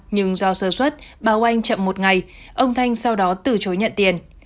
nhưng do sơ xuất bà oanh chậm một ngày ông thành sau đó từ chối nhận tiền